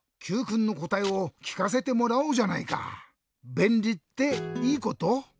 べんりっていいこと？